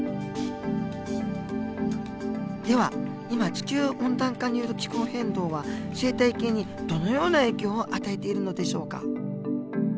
では今地球温暖化による気候変動は生態系にどのような影響を与えているのでしょうか？